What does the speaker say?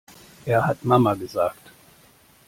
Er hat Mama gesagt!